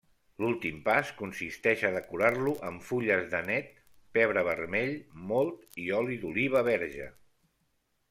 L'últim pas consisteix a decorar-lo amb fulles d'anet, pebre vermell mòlt i oli d'oliva verge.